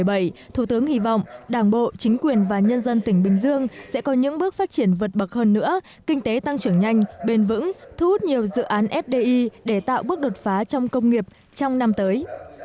năm hai nghìn một mươi bảy thủ tướng hy vọng đảng bộ chính quyền và nhân dân tỉnh bình dương sẽ có những bước phát triển vật bậc hơn nữa kinh tế tăng trưởng nhanh bền vững thu hút nhiều dự án fdi để tạo bước đột phá trong công nghiệp trong năm tới